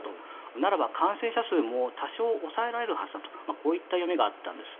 ならば感染者数も多少抑えられるはずだとこういった読みがあったんです。